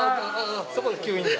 そこで吸引だ。